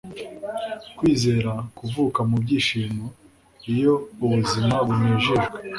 kwizera kuvuka mubyishimo iyo ubuzima bunejejwe